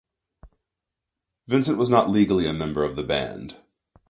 Vincent was not legally a member of the band.